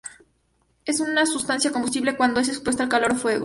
Es una sustancia combustible cuando es expuesta a calor o fuego.